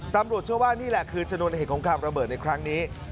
ตำรวจเชื่อว่านี่แหละคือชนวนเหตุของความระเบิดในครั้งนี้